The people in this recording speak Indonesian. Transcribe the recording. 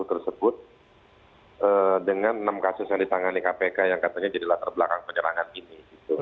tiga pelaku tersebut dengan enam kasus yang ditangani kpk yang katanya jadilah terbelakang penyerangan ini